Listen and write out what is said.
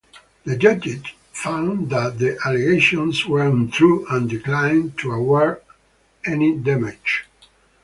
The judge found that the allegations were untrue and declined to award any damages.